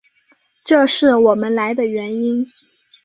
这是我们来的原因。